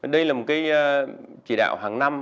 đây là một cái chỉ đạo hàng năm